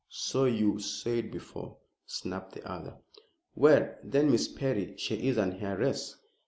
"So you said before," snapped the other. "Well, then, Miss Perry. She is an heiress."